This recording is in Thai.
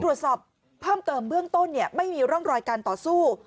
ตรวจสอบเพิ่มเติมเบื้องต้นเนี่ยไม่มีร่องรอยการต่อสู้